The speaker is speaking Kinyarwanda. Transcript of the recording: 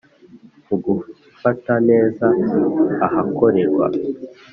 Mu gufata neza ahakorerwa